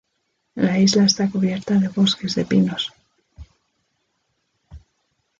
La isla está cubierta de bosques de pinos.